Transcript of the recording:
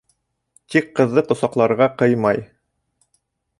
Тик ҡыҙҙы ҡосаҡларға ҡыймай.